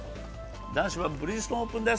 男子はブリヂストンオープンです。